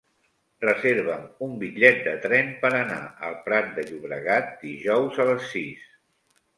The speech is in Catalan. Reserva'm un bitllet de tren per anar al Prat de Llobregat dijous a les sis.